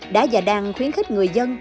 đã và đang khuyến khích người dân